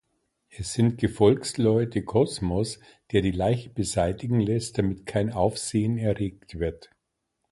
Es sind Gefolgsleute Cosmos, der die Leiche beseitigen lässt, damit kein Aufsehen erregt wird.